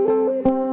lalu dia nyaman